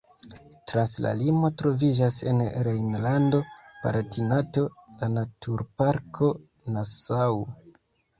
Trans la limo troviĝas en Rejnlando-Palatinato la Naturparko Nassau.